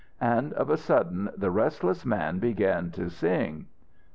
And of a sudden the restless man began to sing.